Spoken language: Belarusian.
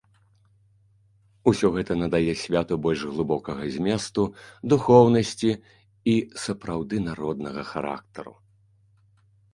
Усё гэта надае святу больш глыбокага зместу, духоўнасці і сапраўды народнага характару.